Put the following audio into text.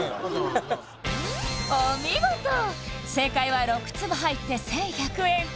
正解は６粒入って１１００円